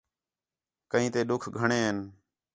کئیں تے ݙُکھ گھݨیں ہِن